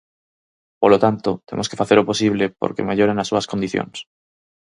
Polo tanto, temos que facer o posible por que melloren as súas condicións.